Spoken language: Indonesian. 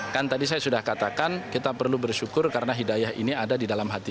kan tadi saya sudah katakan kita perlu bersyukur karena hidayah ini ada di dalam hati